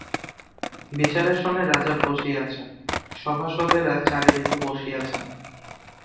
বিচারাসনে রাজা বসিয়াছেন, সভাসদেরা চারি দিকে বসিয়াছেন।